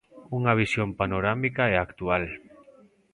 Unha visión panorámica e actual.